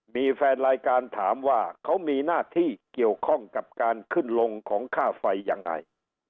มีแฟนรายการถามว่าเขามีหน้าที่เกี่ยวข้องกับการขึ้นลงของค่าไฟยังไง